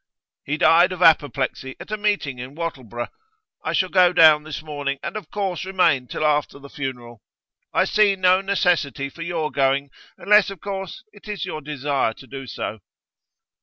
'He died of apoplexy, at a meeting in Wattleborough. I shall go down this morning, and of course remain till after the funeral. I see no necessity for your going, unless, of course, it is your desire to do so.